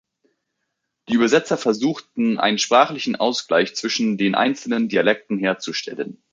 Die Übersetzer versuchten, einen sprachlichen Ausgleich zwischen den einzelnen Dialekten herzustellen.